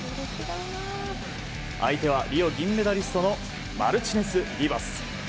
相手はリオ銀メダリストのマルチネス・リバス。